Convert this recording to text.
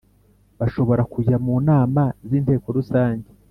Bashobora kujya mu nama z Inteko Rusange